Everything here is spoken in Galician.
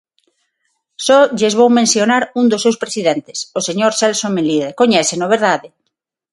Só lles vou mencionar un dos seus presidentes, o señor Celso Melide, ¿coñéceno, verdade?